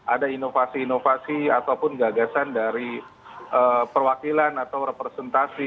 ada inovasi inovasi ataupun gagasan dari perwakilan atau representasi